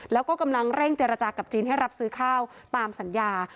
แล้วก็กำลังเร่งเจรจากับจีนให้รับซื้อข้าวตามสัญญา